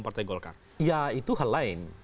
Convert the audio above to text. partai golkar ya itu hal lain